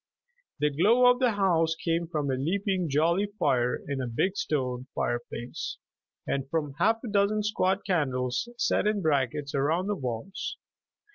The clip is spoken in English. The glow of the house came from a leaping, jolly fire in a big stone fire place, and from half a dozen squat candles set in brackets around the walls.